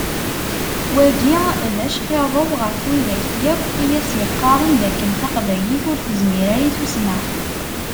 Wagi d acqirrew ɣef wid yakk i as-iqqaren d akken taqbaylit ur tezmir ara i tussna.